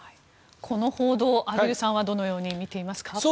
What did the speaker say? この報道を畔蒜さんはどのように見ていますか？